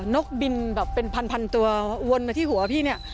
นกบินแบบเป็นพันตัววนมาที่หัวพี่เนี่ย